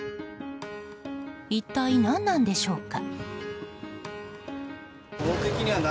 一体、何なのでしょうか。